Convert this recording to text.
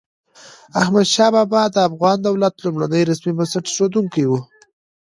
احمد شاه بابا د افغان دولت لومړنی رسمي بنسټ اېښودونکی و.